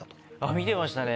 見てましたね。